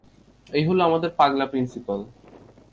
এই হলো আমাদের পাগলা প্রিন্সিপাল।